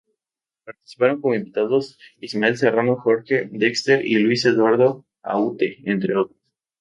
Participaron como invitados Ismael Serrano, Jorge Drexler y Luis Eduardo Aute, entre otros.